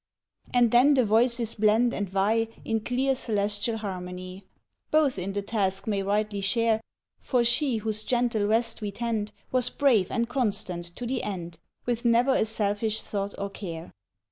And then the voices blend and vie In clear, celestial harmony :" Both in the task may rightly share, For she whose gentle rest we tend Was brave and constant to the end, With never a selfish thought or care.